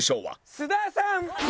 須田さん！